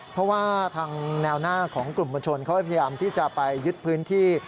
เพราะว่าทางแนวหน้าของกลุ่มมวลชนเขาพยายามที่จะไปยึดพื้นที่